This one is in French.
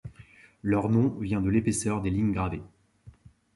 Leur nom vient de l'épaisseur des lignes gravées.